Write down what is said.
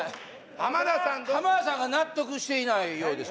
浜田さんが納得していないようです